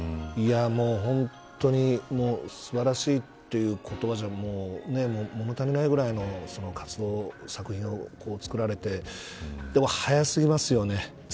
本当に素晴らしいという言葉じゃ物足りないぐらいの活動を作品を作られてでも早過ぎますよね。